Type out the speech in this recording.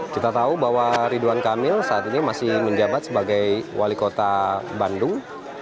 kita tahu bahwa ridwan kamil saat ini masih menjabat sebagai wali kota bandung